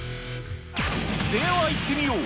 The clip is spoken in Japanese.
ではいってみよう。